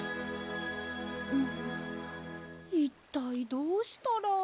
んいったいどうしたら。